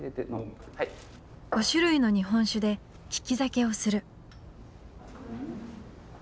５種類の日本酒で利き酒をする。